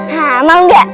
hah mau gak